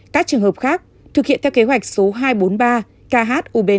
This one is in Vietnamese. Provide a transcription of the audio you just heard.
các trường hợp khác thực hiện theo kế hoạch số hai trăm bốn mươi ba khub